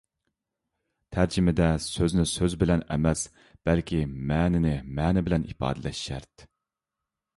تەرجىمىدە «سۆزنى سۆز بىلەن» ئەمەس، بەلكى «مەنىنى مەنە بىلەن» ئىپادىلەش شەرت.